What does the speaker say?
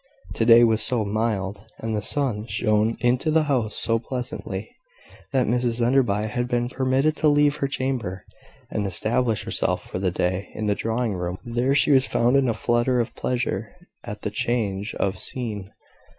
The day was so mild, and the sun shone into the house so pleasantly, that Mrs Enderby had been permitted to leave her chamber, and establish herself for the day in the drawing room. There she was found in a flutter of pleasure at the change of scene.